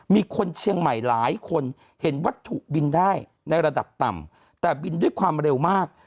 มีคนเชียงใหม่หลายคนเห็นวัตถุบินได้ในระดับต่ำแต่บินด้วยความเร็วมาก